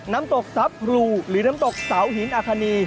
น้ำตกซับพลูหรือน้ำตกเสาหินอาคณี